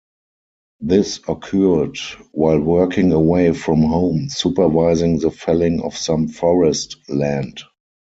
This occurred while working away from home supervising the felling of some forest land.